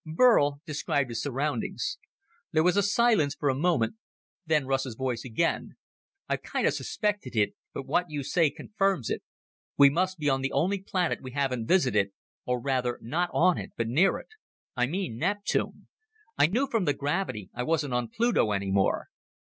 Burl described his surroundings. There was a silence for a moment, then Russ's voice again. "I kind of suspected it, but what you say confirms it. We must be on the only planet we haven't visited ... or rather, not on it, but near it. I mean Neptune. I knew from the gravity I wasn't on Pluto any more.